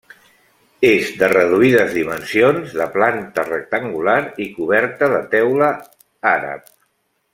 És de reduïdes dimensions, de planta rectangular i coberta de teula àrab.